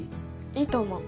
いいと思う。